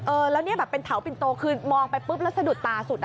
เออแล้วเนี่ยแบบเป็นเถาปินโตคือมองไปปุ๊บแล้วสะดุดตาสุดอ่ะ